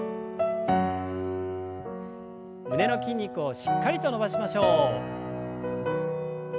胸の筋肉をしっかりと伸ばしましょう。